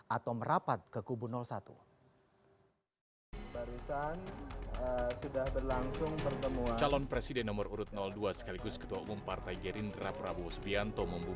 atau merapat ke kubu satu